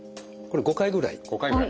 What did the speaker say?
５回ぐらいはい。